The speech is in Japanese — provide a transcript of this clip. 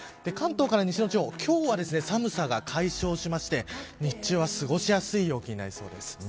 関東から西の地方今日は寒さが解消しまして日中は過ごしやすい陽気になりそうです。